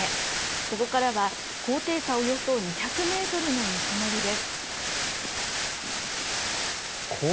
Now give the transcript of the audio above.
ここからは、高低差およそ２００メートルの道のりです。